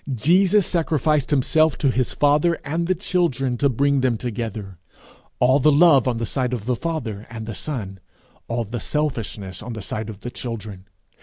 Jesus sacrificed himself to his father and the children to bring them together all the love on the side of the Father and the Son, all the selfishness on the side of the children.